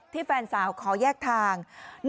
แฟนสาวขอแยกทาง